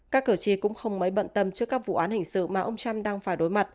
các cử tri cũng không mấy bận tâm trước các vụ án hình sự mà ông trump đang phải đối mặt